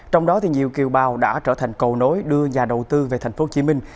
trong đó nhiều kiều bào đã trở thành cầu nối đưa nhà đầu tư về thành phố hồ chí minh